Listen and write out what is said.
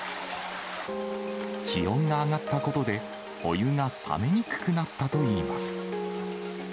気温が上がったことで、お湯が冷めにくくなったといいます。